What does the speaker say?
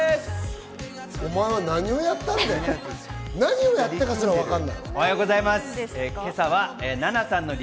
お前は何をやったんだよ！